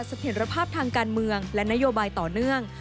เสถียรภาพทางการเมืองและนโยบายต่อเนื่อง